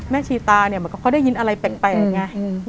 ชีตาเนี่ยเหมือนกับเขาได้ยินอะไรแปลกไง